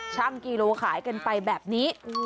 กิโลขายกันไปแบบนี้